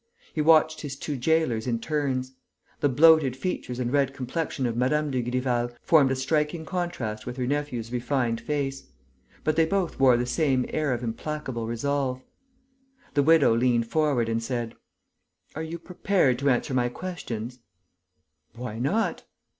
He watched his two gaolers in turns. The bloated features and red complexion of Mme. Dugrival formed a striking contrast with her nephew's refined face; but they both wore the same air of implacable resolve. The widow leant forward and said: "Are you prepared to answer my questions?" "Why not?"